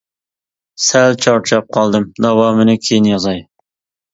سەل چارچاپ قالدىم داۋامىنى كىيىن يازاي.